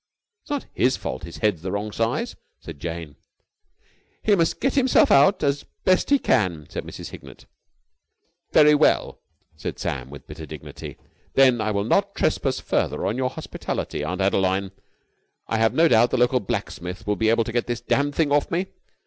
"It's not his fault his head's the wrong size," said Jane. "He must get himself out as best he can," said Mrs. Hignett. "Very well," said Sam with bitter dignity. "Then I will not trespass further on your hospitality, Aunt Adeline. I have no doubt the local blacksmith will be able to get this damned thing off me.